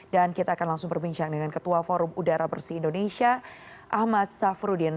dan kita akan langsung berbincang dengan ketua forum udara bersih indonesia ahmad safrudin